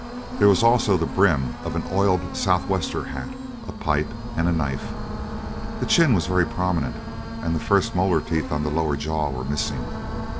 There was also the brim of an oiled sou'wester' hat, a pipe, and a knife. The chin was very prominent, and the first molar teeth on the lower jaw were missing.